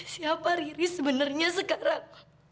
siapa riri sebenarnya sekarang